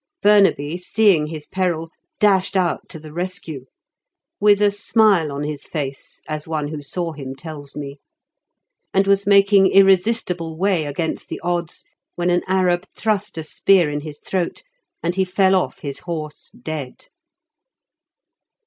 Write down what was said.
Burnaby, seeing his peril, dashed out to the rescue "with a smile on his face," as one who saw him tells me, and was making irresistible way against the odds when an Arab thrust a spear in his throat, and he fell off his horse dead.